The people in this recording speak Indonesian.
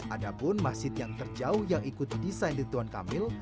ada pun masjid yang terjauh yang ikut desain ridwan kamil